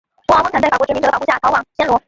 国王温坎在法国殖民者的保护下逃往暹罗。